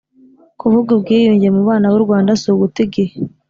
kuvuga ubwiyunge mu bana b’u rwanda si uguta igihe